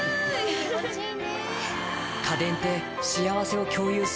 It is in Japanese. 気持ちいい。